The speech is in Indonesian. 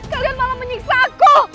kalian malah menyiksa aku